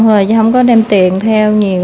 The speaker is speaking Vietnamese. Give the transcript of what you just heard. thôi chứ không có đem tiền theo nhiều